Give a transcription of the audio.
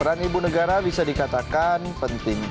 peran ibu negara bisa dikatakan penting